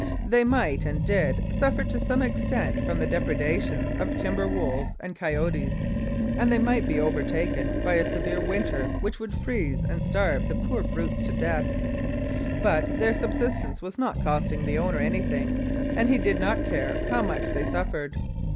They might, and did, suffer to some extent from the depredations of timber wolves and coyotes, and they might be over taken by a severe winter which would freeze and starve the poor brutes to death, but their subsistence was not costing the owner anything, and he did not care how much they suffered.